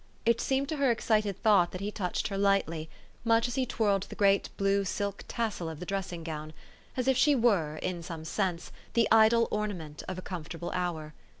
It seemed to her excited thought that he touched her lightly, much as he twirled the great blue silk tassel of the dressing gown, as if she were, in some sense, the idle ornament of a comfortable hour.